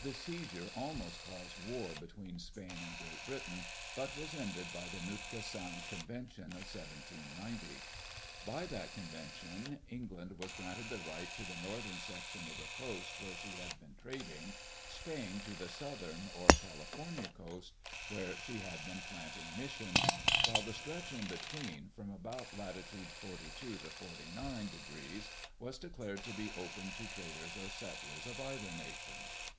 The seizure almost caused war between Spain and Great Britain, but was ended by the Nootka Sound Convention of 1790. By that convention, England was granted the right to the northern section of the coast where she had been trading, Spain to the southern, or California Coast, where she had been planting missions, while the stretch in between, from about latitude forty two to forty nine de grees was declared to be open to traders or settlers of either nation.